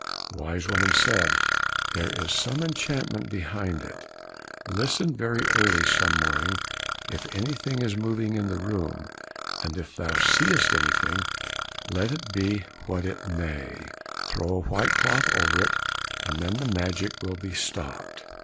The wise woman said, "There is some enchantment behind it, listen very early some morning if anything is moving in the room, and if thou seest anything, let it be what it may, throw a white cloth over it, and then the magic will be stopped."